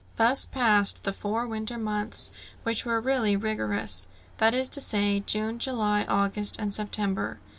Thus passed the four winter months, which were really rigorous, that is to say, June, July, August, and September.